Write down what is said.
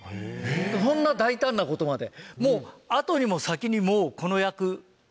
そんな大胆なことまで。